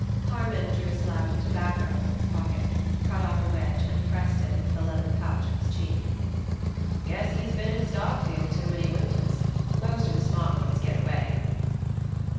Harmon drew a slab of tobacco from his pocket, cut off a wedge and pressed it into the leather pouch of his cheek. "Guess he's been in Starkfield too many winters. Most of the smart ones get away."